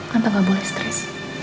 tantang gak boleh stres